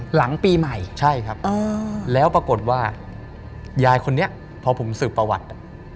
หลังปีใหม่ใช่ครับแล้วปรากฏว่ายายคนนี้พอผมสืบประวัติ